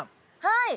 はい。